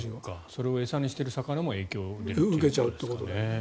それを餌にしている魚も影響を受けるということですからね。